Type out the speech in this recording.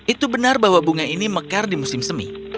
itu benar bahwa bunga ini mekar di musim semi